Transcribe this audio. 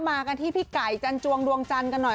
มากันที่พี่ไก่จันจวงดวงจันทร์กันหน่อย